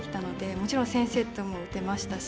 もちろん先生とも打てましたし